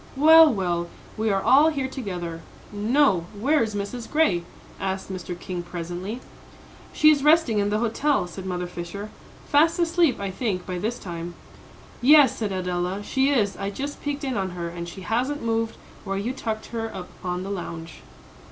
"Well, well, we are all here together, no where is Mrs. Gray?" asked Mr. King, presently. "She is resting in the hotel," said Mother Fisher, "fast asleep I think by this time." "Yes," said Adela, "she is. I just peeked in on her, and she hasn't moved where you tucked her up on the lounge."